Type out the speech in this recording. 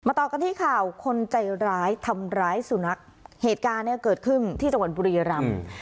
ต่อกันที่ข่าวคนใจร้ายทำร้ายสุนัขเหตุการณ์เนี่ยเกิดขึ้นที่จังหวัดบุรีรำ